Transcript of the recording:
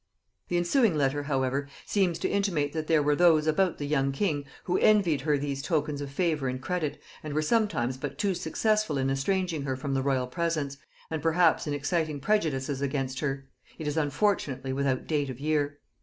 ] The ensuing letter, however, seems to intimate that there were those about the young king who envied her these tokens of favor and credit, and were sometimes but too successful in estranging her from the royal presence, and perhaps in exciting prejudices against her: It is unfortunately without date of year.